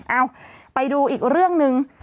เอ้าไปดูอีกเรื่องหนึ่ง